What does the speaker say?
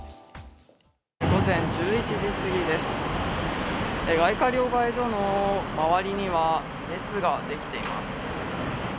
午前１１時過ぎです、外貨両替所の周りには、列ができています。